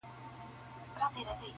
ولولئ نر او ښځي ټول د کتابونو کیسې,